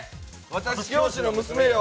「私、教師の娘よ！」。